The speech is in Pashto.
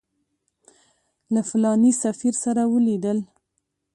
له فلاني سفیر سره ولیدل.